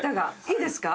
いいですか？